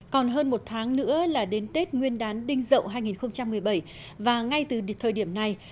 còn hơn một tháng nữa là đến tết nguyên đán đinh dậu hai nghìn một mươi bảy và ngay từ thời điểm này